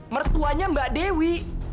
mertuanya mbak dewi